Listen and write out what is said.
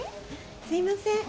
すいません。